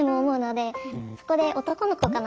そこで「男の子かな？